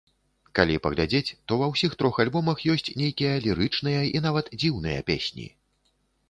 Калі паглядзець, то ва ўсіх трох альбомах ёсць нейкія лірычныя і, нават, дзіўныя песні.